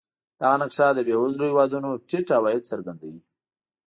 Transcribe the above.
دغه نقشه د بېوزلو هېوادونو ټیټ عواید څرګندوي.